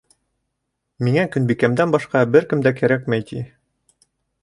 «Миңә Көнбикәмдән башҡа бер кем дә кәрәкмәй», ти.